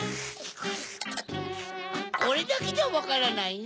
これだけじゃわからないネ。